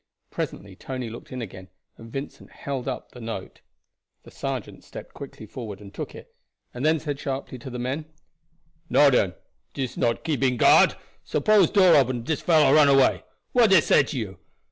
Presently Tony looked in again and Vincent held up the note. The sergeant stepped quickly forward and took it, and then said sharply to the men: "Now den, dis not keeping guard. Suppose door open and dis fellow run away. What dey say to you?